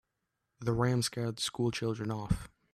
The ram scared the school children off.